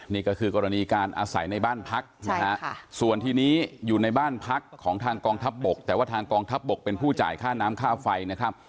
นี่ก็คือกรณีการอาศัยในบ้านพักนะฮะส่วนทีนี้อยู่ในบ้านพักของทางกองทัพบกแต่ว่าทางกองทัพบกเป็นผู้จ่ายค่าน้ำค่าไฟนะครับ